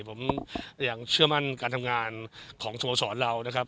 ผมยังเชื่อมั่นการทำงานของสโมสรเรานะครับ